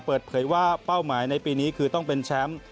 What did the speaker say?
เปิดเผยว่าเป้าหมายในปีนี้คือต้องเป็นแชมป์